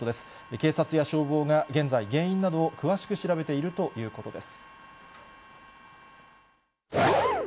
警察や消防が現在、原因などを詳しく調べているということです。